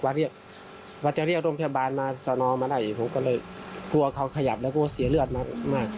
เรียกว่าจะเรียกโรงพยาบาลมาสนมาได้ผมก็เลยกลัวเขาขยับแล้วกลัวเสียเลือดมาก